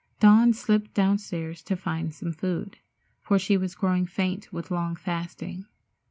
Dawn slipped downstairs to find some food, for she was growing faint with long fasting.